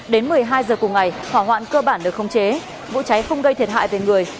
đến một mươi hai h cùng ngày hỏa hoạn cơ bản được khống chế vụ cháy không gây thiệt hại về người